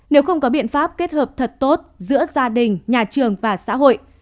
nếu không có biện pháp kết hợp thật tốt giữa gia đình nhà trường và xã hội